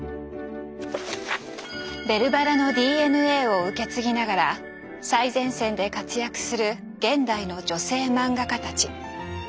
「ベルばら」のＤＮＡを受け継ぎながら最前線で活躍する現代の女性マンガ家たち。